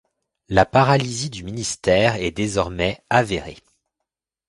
La paralysie du ministère est désormais avérée.